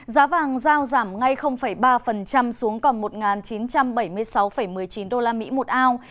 giá vàng giao giảm ngay ba xuống còn một chín trăm bảy mươi sáu một mươi chín usd một ao